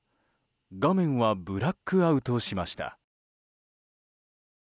画面はブラックアウトしました。